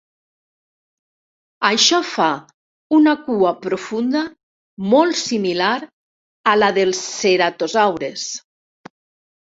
Això fa una cua profunda molt similar a la dels ceratosaures.